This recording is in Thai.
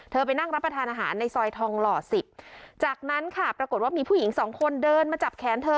ไปนั่งรับประทานอาหารในซอยทองหล่อสิบจากนั้นค่ะปรากฏว่ามีผู้หญิงสองคนเดินมาจับแขนเธอ